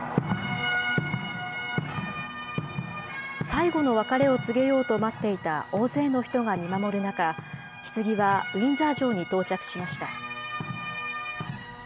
最後の別れを告げようと待っていた大勢の人が見守る中ひつぎはウィンザー城に到着しました。